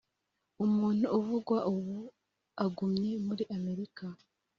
umuntu uvugwa ubu agumye muri amerika.